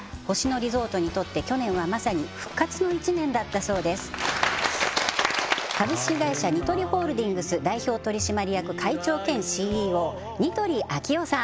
リゾートにとって去年はまさに復活の１年だったそうです株式会社ニトリホールディングス代表取締役会長兼ＣＥＯ似鳥昭雄さん